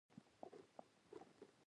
د ترهګرۍ پر ضد مبارزه یو بعدیزه پاتې شوه.